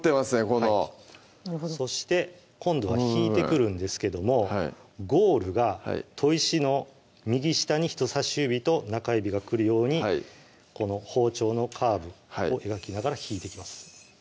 このなるほどそして今度は引いてくるんですけどもゴールが砥石の右下に人さし指と中指がくるようにこの包丁のカーブを描きながら引いてきます